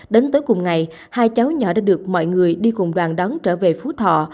đến tối cùng ngày hai cháu nhỏ đã được mọi người đi cùng đoàn đón trở về phú thọ